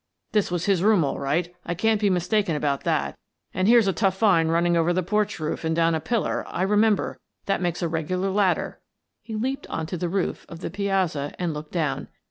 This was his room, all right — I can't be mistaken about that — and here's a tough vine running over the porch roof and down a pillar, I remember, that makes a regular ladder." He leaped on to the roof of the piazza and looked down.